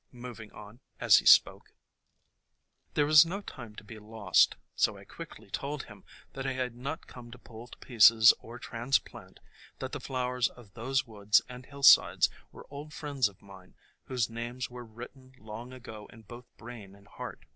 moving on as he spoke. THE COMING OF SPRING ^ There was no time to be lost, so I quickly told him that I had not come to pull to pieces or transplant, that the flowers of those woods and hillsides were old friends of mine whose names were written long ago in both brain and heart.